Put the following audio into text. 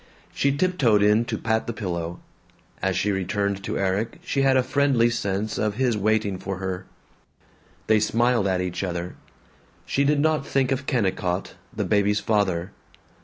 She tiptoed in to pat the pillow. As she returned to Erik she had a friendly sense of his waiting for her. They smiled at each other. She did not think of Kennicott, the baby's father.